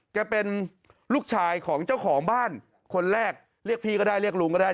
เป็นลูกชายของเจ้าของบ้านคนแรกเรียกพี่ก็ได้เรียกลุงก็ได้